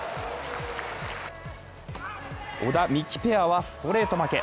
小田・三木ペアはストレート負け。